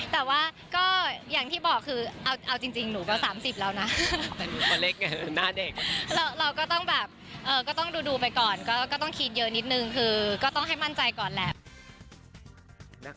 แต่ว่าอย่างที่บอกเอาจริงหนูเป็น๓๐แล้วนะเราก็ต้องดูไปก่อนก็ต้องคิดเยอะนิดหนึ่งก็ต้องให้มั่นใจก่อนแหละ